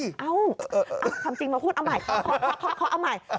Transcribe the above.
เอ้าเอาทำจริงมาพูดเอาใหม่เอาใหม่